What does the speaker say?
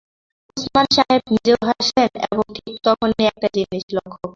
ওসমান সাহেব নিজেও হাসলেন এবং ঠিক তখনি একটা জিনিস লক্ষ্য করলেন।